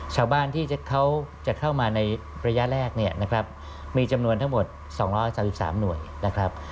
ชาวบ้านที่เขาจะเข้ามาในระยะแรกเนี่ยนะครับมีจำนวนทั้งหมด๒๓๓หน่วยนะครับ